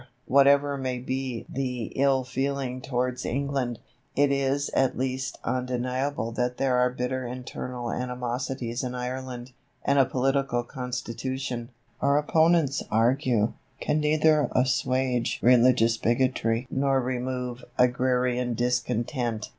Whatever may be the ill feeling towards England, it is at least undeniable that there are bitter internal animosities in Ireland, and a political constitution, our opponents argue, can neither assuage religious bigotry nor remove agrarian discontent.